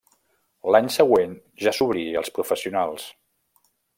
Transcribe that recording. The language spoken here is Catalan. L'any següent ja s'obrí als professionals.